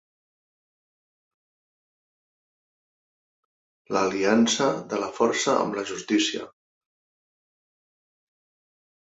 L'aliança de la força amb la justícia.